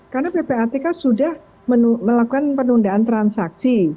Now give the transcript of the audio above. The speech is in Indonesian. karena ppatk sudah melakukan penundaan transaksi